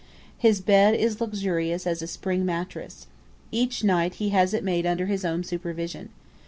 His bed is luxurious as a spring mattress. Each night he has it made under his own supervision.